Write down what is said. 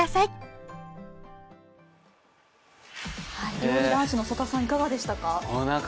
料理男子の曽田さん、いかがでしたか？